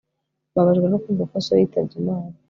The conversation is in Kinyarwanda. Mbabajwe no kumva ko so yitabye Imana